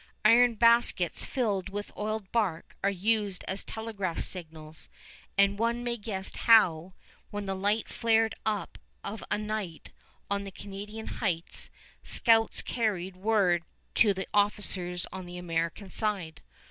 Iron baskets filled with oiled bark are used as telegraph signals, and one may guess how, when the light flared up of a night on the Canadian heights, scouts carried word to the officers on the American side.